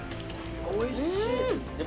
おいしっ。